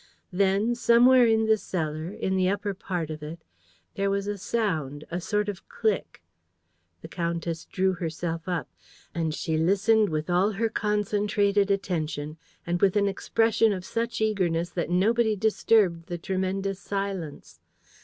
Then, somewhere in the cellar, in the upper part of it, there was a sound, a sort of click. The countess drew herself up. And she listened with all her concentrated attention and with an expression of such eagerness that nobody disturbed the tremendous silence.